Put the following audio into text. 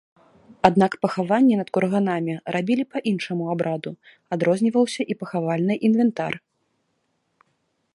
Аднак пахаванні над курганамі рабілі па іншаму абраду, адрозніваўся і пахавальны інвентар.